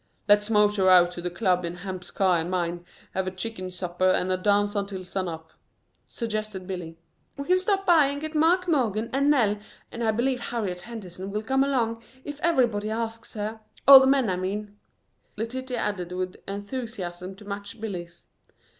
"Let's motor out to the Club in Hamp's car and mine, have a chicken supper and dance until sun up," suggested Billy. "We can stop by and get Mark Morgan and Nell, and I believe Harriet Henderson will come along, if everybody asks her all the men, I mean," Letitia added with enthusiasm to match Billy's.